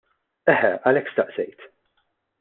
Eħe, għalhekk staqsejt.